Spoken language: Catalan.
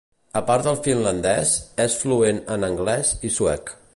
A part del finlandès, és fluent en anglès i suec.